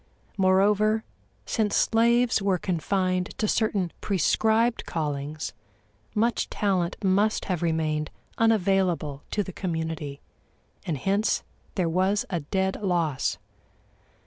Moreover, since slaves were confined to certain prescribed callings, much talent must have remained unavailable to the community, and hence there was a dead loss.